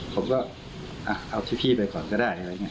ผมก็เอาที่พี่ไปก่อนก็ได้